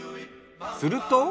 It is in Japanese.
すると。